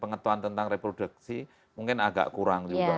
pengetahuan tentang reproduksi mungkin agak kurang juga